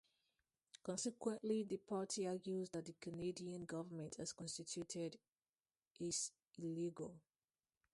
Consequently, the party argues that the Canadian government, as constituted, is illegal.